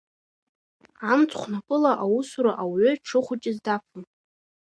Амцхә напыла аусура ауаҩы дшыхәыҷыз дафон.